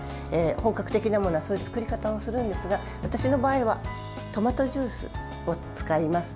本格的なものはそういう作り方をするんですが私の場合はトマトジュースを使います。